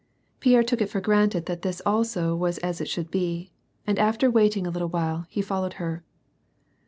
Pierre took it for granted that this also was a^ it should be, and after waiting a little while, he followed her.